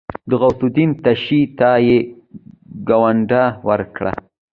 د غوث الدين تشي ته يې ګونډه ورکړه.